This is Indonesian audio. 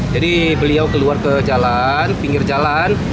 jadi beliau keluar ke jalan pinggir jalan